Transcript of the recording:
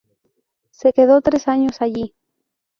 Se quedó tres años allí.